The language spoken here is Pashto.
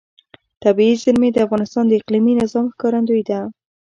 طبیعي زیرمې د افغانستان د اقلیمي نظام ښکارندوی ده.